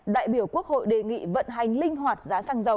đại biểu quốc hội đề nghị vận hành linh hoạt giá xăng dầu